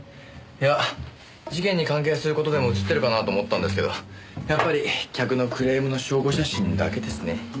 いや事件に関係する事でも写ってるかなと思ったんですけどやっぱり客のクレームの証拠写真だけですね。